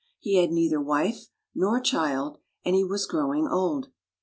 He had neither wife nor child, and he was growing old.